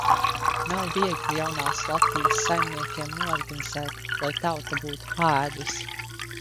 Nav viegli jaunās Latvijas saimniekiem noorganizēt, lai tauta būtu paēdusi.